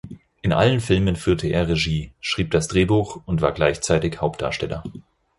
In allen Filmen führte er Regie, schrieb das Drehbuch und war gleichzeitig Hauptdarsteller.